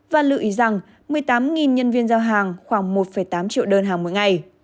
và lưu ý rằng một mươi tám nhân viên giao hàng khoảng một tám triệu đơn hàng mỗi ngày